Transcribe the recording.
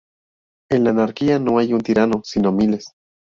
En la anarquía no hay un tirano sino miles.